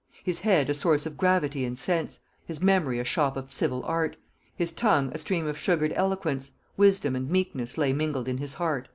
His head a source of gravity and sense, His memory a shop of civil art: His tongue a stream of sugred eloquence, Wisdom and meekness lay mingled in his heart."